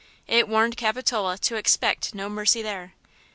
It warned Capitola to expect no mercy there.